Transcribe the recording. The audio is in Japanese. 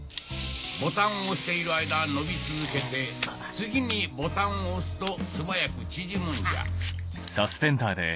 ボタンを押している間伸び続けて次にボタンを押すと素早く縮むんじゃ。